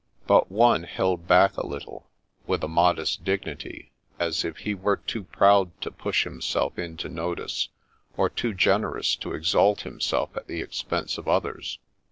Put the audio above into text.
But one held back a little, with a modest dignity, as if he were too proud to push himself into notice, or too generous to exalt himself at the expense of others.